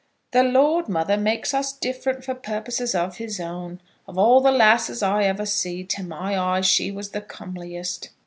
"The Lord, mother, makes us different for purposes of his own. Of all the lasses I ever see, to my eyes she was the comeliest."